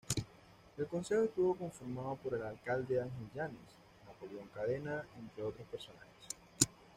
El Consejo estuvo conformado por el alcalde Ángel Yánez, Napoleón Cadena entre otros personajes.